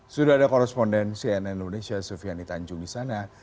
sudah ada korespondensi dari indonesia sufian itanjung di sana